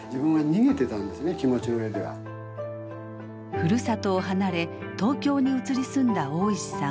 ふるさとを離れ東京に移り住んだ大石さん。